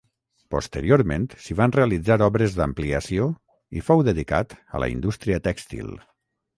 Posteriorment s'hi van realitzar obres d'ampliació i fou dedicat a la indústria tèxtil.